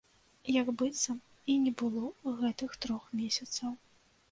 Як быццам і не было гэтых трох месяцаў.